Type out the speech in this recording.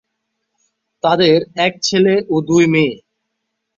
তাদের এক ছেলে ও দুই মেয়ে।